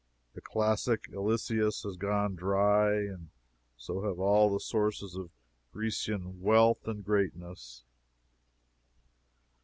The classic Illyssus has gone dry, and so have all the sources of Grecian wealth and greatness.